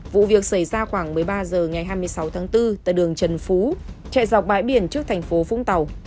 vụ việc xảy ra khoảng một mươi ba h ngày hai mươi sáu tháng bốn tại đường trần phú chạy dọc bãi biển trước thành phố vũng tàu